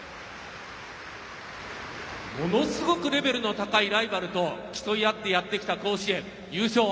ものすごくレベルの高いライバルと競い合ってやってきた甲子園優勝